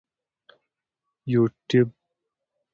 یوټیوب